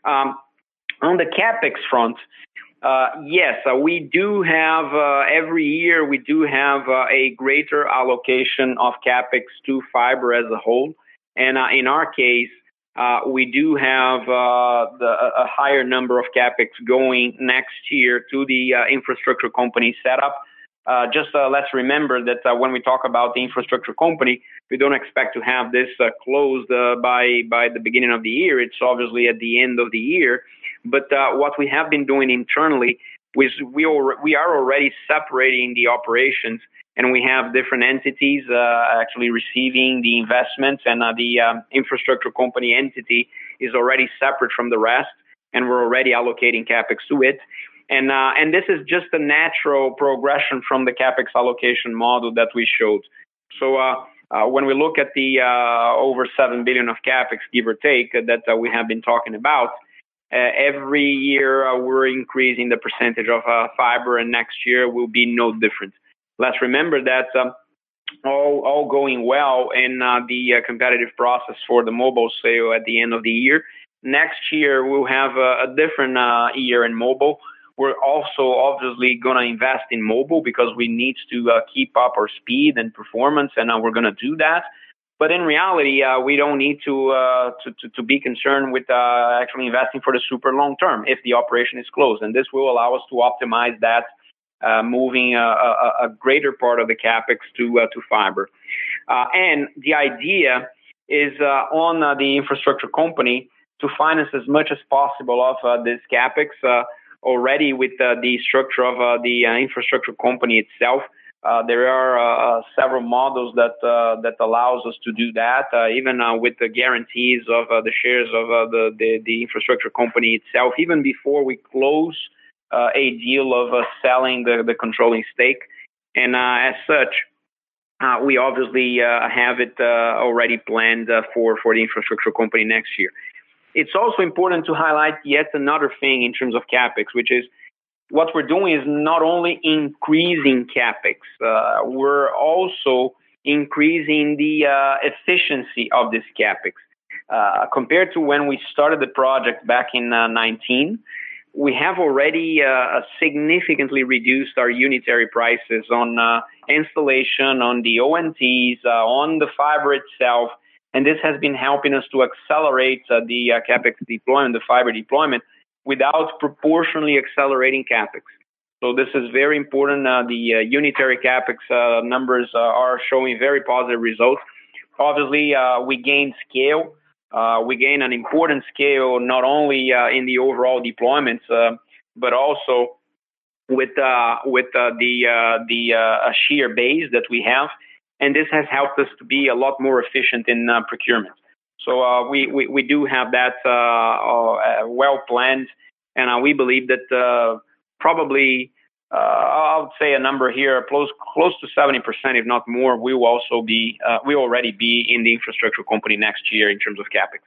On the CapEx front, yes, every year we do have a greater allocation of CapEx to fiber as a whole. In our case, we do have a higher number of CapEx going next year to the infrastructure company setup. Let's remember that when we talk about the infrastructure company, we don't expect to have this closed by the beginning of the year. It's obviously at the end of the year. What we have been doing internally is we are already separating the operations, and we have different entities actually receiving the investments. The infrastructure company entity is already separate from the rest, and we're already allocating CapEx to it. This is just a natural progression from the CapEx allocation model that we showed. When we look at the over 7 billion of CapEx, give or take, that we have been talking about, every year we're increasing the percentage of fiber, and next year will be no different. Let's remember that all going well in the competitive process for the mobile sale at the end of the year. Next year, we'll have a different year in mobile. We're also obviously going to invest in mobile because we need to keep up our speed and performance, and we're going to do that. In reality, we don't need to be concerned with actually investing for the super long term if the operation is closed. This will allow us to optimize that, moving a greater part of the CapEx to fiber. The idea is on the infrastructure company to finance as much as possible of this CapEx already with the structure of the infrastructure company itself. There are several models that allow us to do that, even with the guarantees of the shares of the infrastructure company itself, even before we close a deal of selling the controlling stake. As such, we obviously have it already planned for the infrastructure company next year. It's also important to highlight yet another thing in terms of CapEx, which is what we're doing is not only increasing CapEx, we're also increasing the efficiency of this CapEx. Compared to when we started the project back in 2019, we have already significantly reduced our unitary prices on installation, on the ONTs, on the fiber itself, and this has been helping us to accelerate the CapEx deployment, the fiber deployment, without proportionally accelerating CapEx. This is very important. The unitary CapEx numbers are showing very positive results. Obviously, we gain scale. We gain an important scale, not only in the overall deployments, but also with the sheer base that we have. This has helped us to be a lot more efficient in procurement. We do have that well planned, and we believe that probably, I would say a number here, close to 70%, if not more, we'll already be in the infrastructure company next year in terms of CapEx.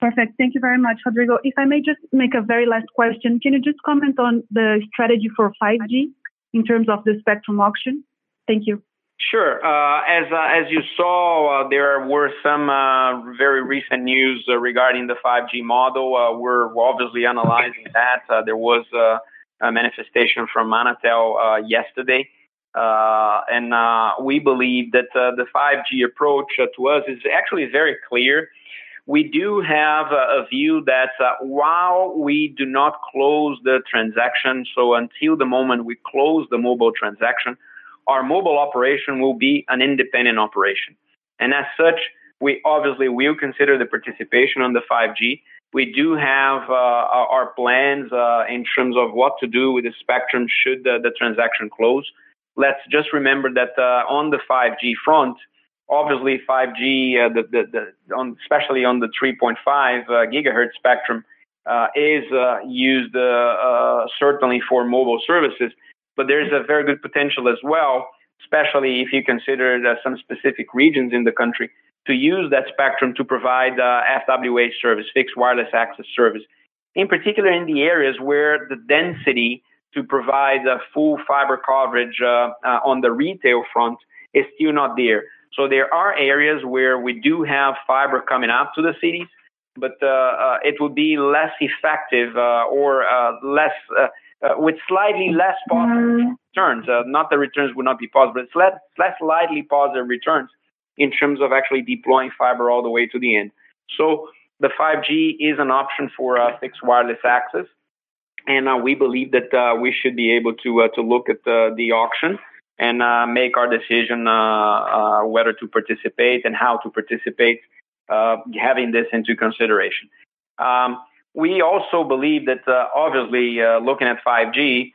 Perfect. Thank you very much, Rodrigo. If I may just make a very last question, can you just comment on the strategy for 5G in terms of the spectrum auction? Thank you. Sure. As you saw, there were some very recent news regarding the 5G model. We're obviously analyzing that. There was a manifestation from Anatel yesterday. We believe that the 5G approach to us is actually very clear. We do have a view that while we do not close the transaction, so until the moment we close the mobile transaction, our mobile operation will be an independent operation. As such, we obviously will consider the participation on the 5G. We do have our plans in terms of what to do with the spectrum should the transaction close. Let's just remember that on the 5G front, obviously 5G, especially on the 3.5 GHz spectrum, is used certainly for mobile services. There is a very good potential as well, especially if you consider some specific regions in the country, to use that spectrum to provide FWA service, fixed wireless access service. In particular, in the areas where the density to provide full fiber coverage on the retail front is still not there. There are areas where we do have fiber coming out to the cities, but it would be less effective or with slightly less positive returns. Not that returns would not be positive, but less likely positive returns in terms of actually deploying fiber all the way to the end. The 5G is an option for fixed wireless access, and we believe that we should be able to look at the auction and make our decision whether to participate and how to participate, having this into consideration. We also believe that obviously looking at 5G,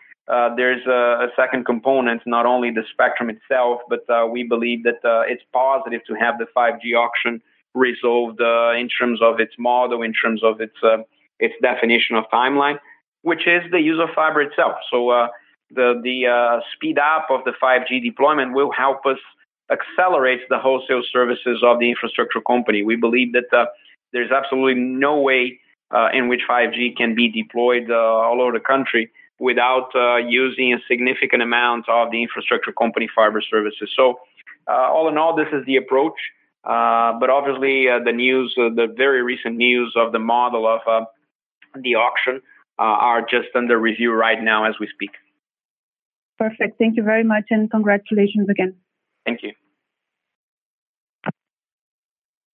there's a second component, not only the spectrum itself, but we believe that it's positive to have the 5G auction resolved in terms of its model, in terms of its definition of timeline, which is the use of fiber itself. The speed up of the 5G deployment will help us accelerate the wholesale services of the infrastructure company. We believe that there's absolutely no way in which 5G can be deployed all over the country without using a significant amount of the infrastructure company fiber services. All in all, this is the approach, but obviously, the very recent news of the model of the auction are just under review right now as we speak. Perfect. Thank you very much. Congratulations again. Thank you.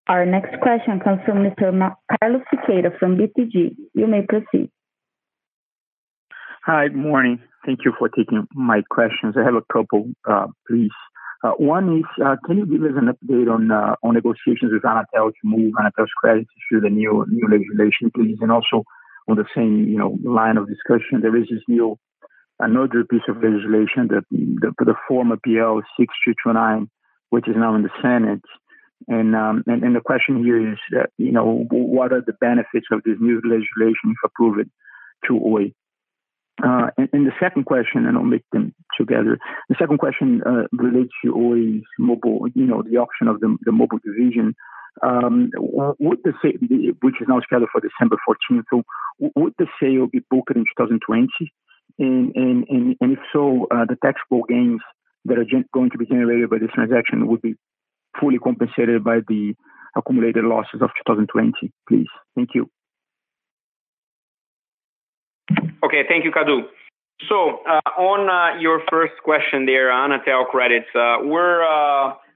Our next question comes from Mr. Carlos Sequeira from BTG. You may proceed. Hi. Morning. Thank you for taking my questions. I have a couple, please. One is, can you give us an update on negotiations with Anatel to move Anatel's credit through the new legislation, please? Also on the same line of discussion, there is this new, another piece of legislation that the former PL 6229, which is now in the Senate. The question here is what are the benefits of this new legislation, if approved, to Oi? The second question, I'll make them together. The second question relates to Oi's mobile, the auction of the mobile division, which is now scheduled for December 14th. Would the sale be booked in 2020? If so, the taxable gains that are going to be generated by this transaction would be fully compensated by the accumulated losses of 2020, please. Thank you. Okay, thank you, Kadu. On your first question there on Anatel credits, we're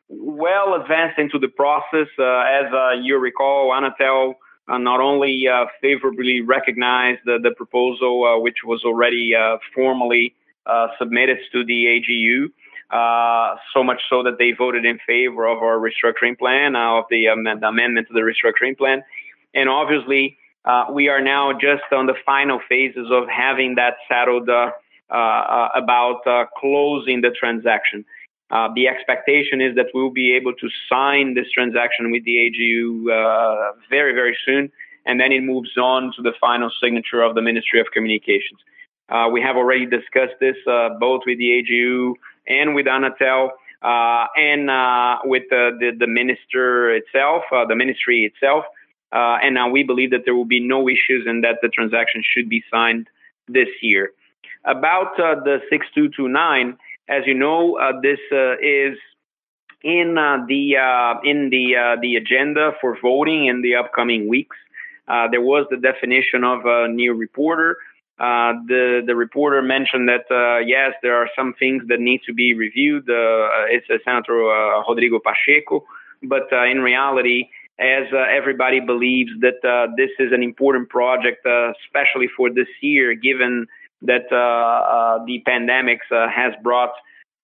well advanced into the process. As you recall, Anatel not only favorably recognized the proposal, which was already formally submitted to the AGU, so much so that they voted in favor of our restructuring plan, of the amendment to the restructuring plan. Obviously, we are now just on the final phases of having that settled about closing the transaction. The expectation is that we'll be able to sign this transaction with the AGU very, very soon, and then it moves on to the final signature of the Ministry of Communications. We have already discussed this both with the AGU and with Anatel, and with the ministry itself. We believe that there will be no issues and that the transaction should be signed this year. About the 6229, as you know, this is in the agenda for voting in the upcoming weeks. There was the definition of a new reporter. The reporter mentioned that, yes, there are some things that need to be reviewed. It's Senator Rodrigo Pacheco. In reality, as everybody believes that this is an important project, especially for this year, given that the pandemic has brought,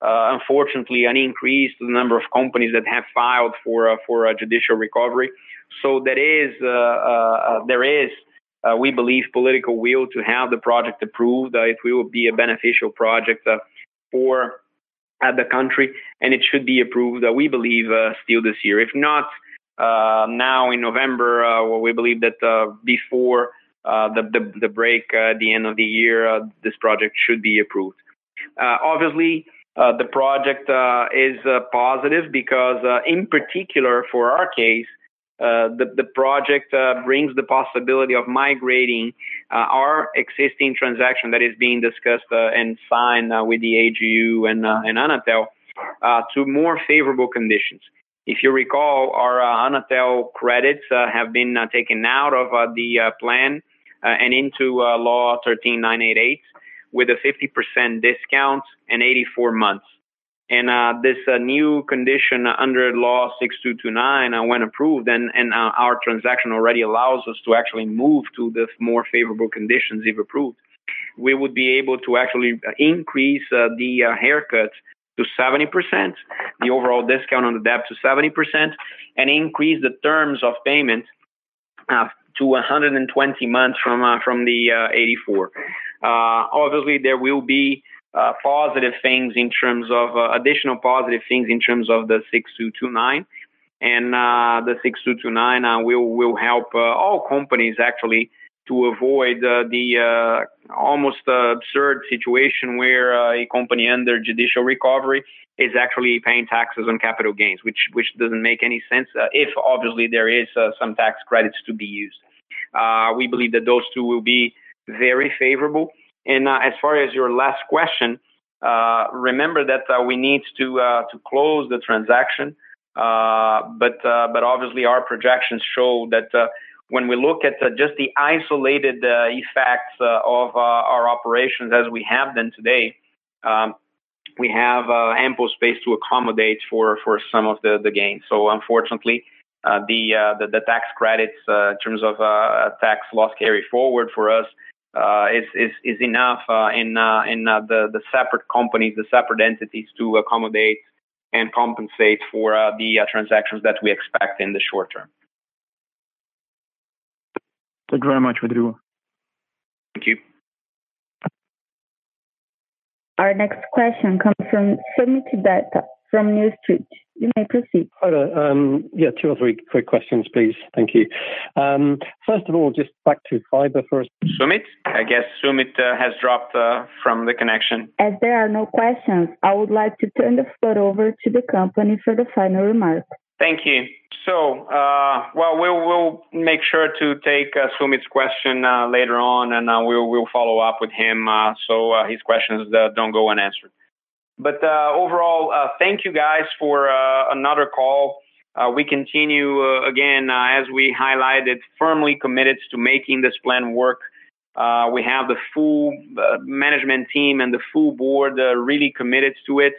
unfortunately, an increase in the number of companies that have filed for a judicial recovery. There is, we believe, political will to have the project approved, if we will be a beneficial project for the country, and it should be approved, we believe, still this year. If not now, in November, we believe that before the break at the end of the year, this project should be approved. Obviously, the project is positive because, in particular for our case, the project brings the possibility of migrating our existing transaction that is being discussed and signed with the AGU and Anatel to more favorable conditions. If you recall, our Anatel credits have been taken out of the plan and into Law 13,988 with a 50% discount and 84 months. This new condition under Law 6229, when approved, and our transaction actually allows us to move to the more favorable conditions, if approved. We would be able to actually increase the haircut to 70%, the overall discount on the debt to 70%, and increase the terms of payment to 120 months from the 84. Obviously, there will be additional positive things in terms of the 6229. The 6229 will help all companies actually to avoid the almost absurd situation where a company under judicial recovery is actually paying taxes on capital gains, which doesn't make any sense, if obviously there is some tax credits to be used. We believe that those two will be very favorable. As far as your last question, remember that we need to close the transaction. Obviously, our projections show that when we look at just the isolated effects of our operations as we have them today, we have ample space to accommodate for some of the gain. Unfortunately, the tax credits in terms of tax loss carry forward for us is enough in the separate companies, the separate entities, to accommodate and compensate for the transactions that we expect in the short term. Thank you very much, Rodrigo. Thank you. Our next question comes from Soomit Datta from New Street. You may proceed. Hello. Yeah, two or three quick questions, please. Thank you. First of all, just back to fiber. Soomit? I guess Soomit has dropped from the connection. As there are no questions, I would like to turn the floor over to the company for the final remarks. Thank you. Well, we'll make sure to take Soomit's question later on, and we will follow up with him so his questions don't go unanswered. Overall, thank you guys for another call. We continue, again, as we highlighted, firmly committed to making this plan work. We have the full management team and the full board really committed to it.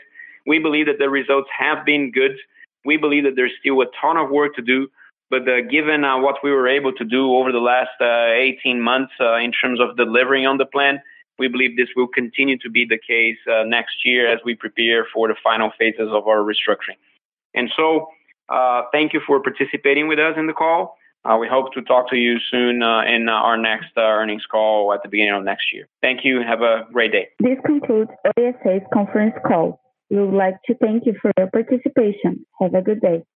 We believe that the results have been good. We believe that there's still a ton of work to do. Given what we were able to do over the last 18 months in terms of delivering on the plan, we believe this will continue to be the case next year as we prepare for the final phases of our restructuring. Thank you for participating with us on the call. We hope to talk to you soon in our next earnings call at the beginning of next year. Thank you, and have a great day. This concludes Oi S.A.'s conference call. We would like to thank you for your participation. Have a good day.